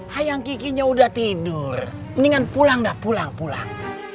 hayang kikinya udah tidur mendingan pulang gak pulang pulang